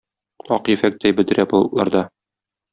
Ак ефәктәй бөдрә болытларда